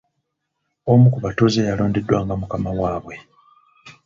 Omu ku batuuze yalondebwa nga mukama waabwe.